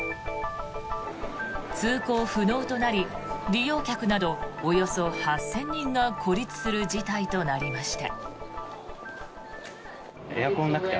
通行不能となり利用客などおよそ８０００人が孤立する事態となりました。